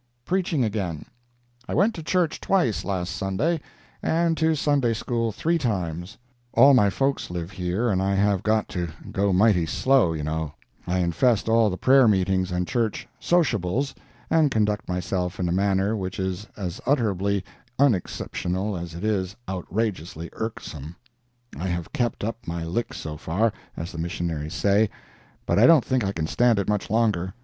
PREACHING AGAIN I went to church twice last Sunday, and to Sunday School three times (all my folks live here, and I have got to go mighty slow, you know; I infest all the prayer meetings and church "sociables," and conduct myself in a manner which is as utterly unexceptionable as it is outrageously irksome. I have kept up my lick so far, as the missionaries say, but I don't think I can stand it much longer.